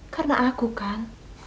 karena aku kan